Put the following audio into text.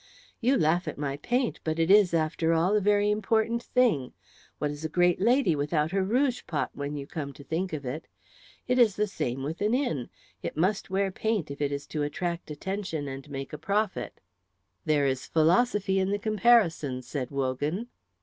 "You laugh at my paint, but it is, after all, a very important thing. What is a great lady without her rouge pot, when you come to think of it? It is the same with an inn. It must wear paint if it is to attract attention and make a profit." "There is philosophy in the comparison," said Wogan.